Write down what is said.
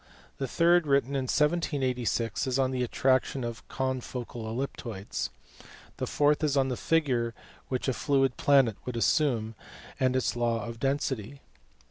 The third, written in 1786, is on the attraction of confocal ellipsoids. The fourth is on the figure which a fluid planet would assume, and its law of density.